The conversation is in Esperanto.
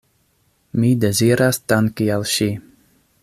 Mi deziras danki al ŝi.